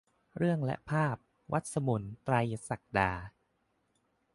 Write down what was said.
เรื่องและภาพ : วรรษมน ไตรยศักดา